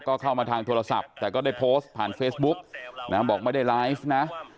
ก็เข้ามาทางโทรศัพท์แต่ก็ได้โพสต์ผ่านเฟซบุ๊กนะบอกไม่ได้ไลฟ์นะ